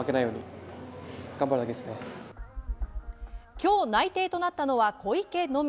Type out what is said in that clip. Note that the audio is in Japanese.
今日、内定となったのは小池のみ。